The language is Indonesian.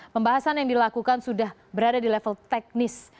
pembahasan yang dilakukan sudah berada di level teknis